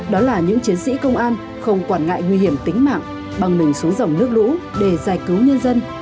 đó là những chiến sĩ công an không quản ngại nguy hiểm tính mạng băng mình xuống dòng nước lũ để giải cứu nhân dân